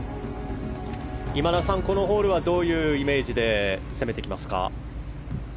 今田さん、このホールはどういうイメージで攻めていきますか？